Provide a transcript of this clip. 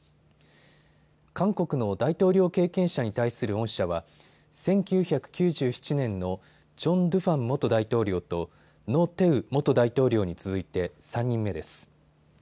韓国の大統領経験者に対する恩赦は１９９７年のチョン・ドゥファン元大統領とノ・テウ元大統領に続いて３人目です。